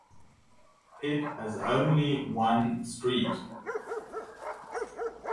It has only one street.